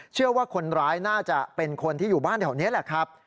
เชื่อว่าคนร้ายน่าจะเป็นคนที่อยู่บ้านแถวนี้แหละครับ